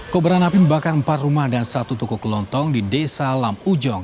kobaran api membakar empat rumah dan satu toko kelontong di desa lam ujong